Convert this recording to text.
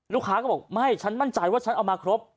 เขาบอกไม่ฉันมั่นใจว่าฉันเอามาครบ